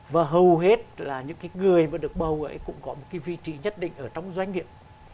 và hầu hết là những cái người mà được bầu ấy cũng có một cái vị trí nhất định ở trong doanh nghiệp